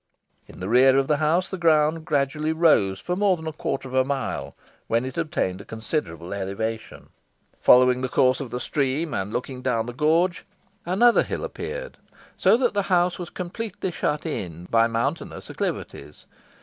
In the rear of the house the ground gradually rose for more than a quarter of a mile, when it obtained a considerable elevation, following the course of the stream, and looking down the gorge, another hill appeared, so that the house was completely shut in by mountainous acclivities.